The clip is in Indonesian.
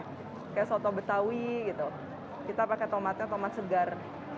kayak soto betawi gitu kita pakai tomatnya tomat segar